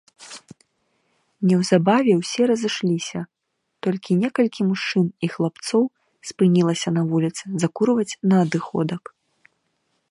Неўзабаве ўсе разышліся, толькі некалькі мужчын і хлапцоў спынілася на вуліцы закурваць на адыходак.